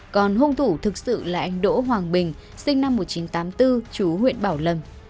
còn hung thủ thực sự là anh đỗ hoàng bình sinh năm một nghìn chín trăm tám mươi bốn chú huyện bảo lâm